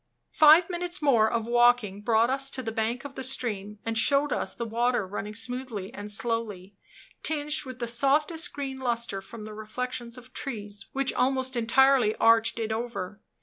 Five minutes more of walking brought us to the bank of the stream, and showed us the water running smoothly and slowly, tinged with the softest green luster from the reflections of trees which almost entirely arched it over.